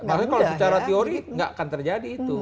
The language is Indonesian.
tapi kalau secara teori nggak akan terjadi itu